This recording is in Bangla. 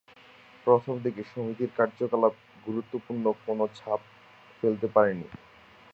প্রথম দিকে সমিতির কার্যকলাপ গুরুত্বপূর্ণ কোনো ছাপ ফেলতে পারেনি।